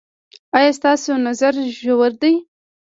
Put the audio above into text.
ایا ستاسو نظر ژور دی؟